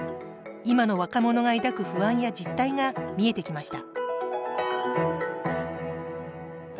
今の若者が抱く不安や実態が見えてきました。